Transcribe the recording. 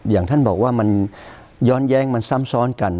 อย่างท่านบอกว่ามันย้อนแย้งมันซ้ำซ้อนกัน